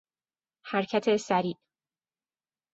حرکت سریع